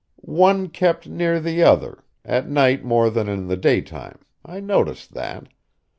One kept near the other, at night more than in the daytime. I noticed that.